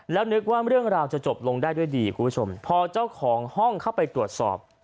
แล้วนึกว่าเรื่องราวจะจบลงได้ด้วยดีคุณผู้ชมพอเจ้าของห้องเข้าไปตรวจสอบ